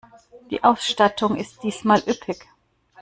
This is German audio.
Die Ausstattung ist diesmal üppig.